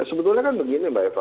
sebetulnya kan begini mbak eva